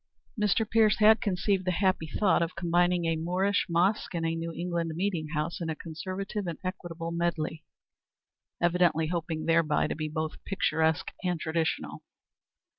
Mr. Pierce had conceived the happy thought of combining a Moorish mosque and New England meeting house in a conservative and equitable medley, evidently hoping thereby to be both picturesque and traditional.